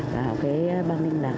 vào cái ban liên lạc